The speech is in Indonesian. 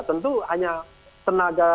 tentu hanya tenaga